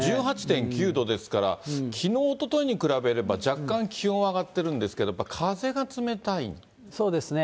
１８．９度ですから、きのう、おとといに比べれば、若干気温は上がってるんですけれども、風がそうですね。